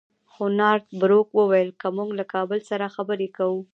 خو نارت بروک وویل که موږ له کابل سره خبرې کوو.